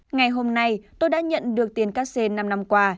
ngày hôm nay tôi đã nhận được tiền cắt xe năm năm qua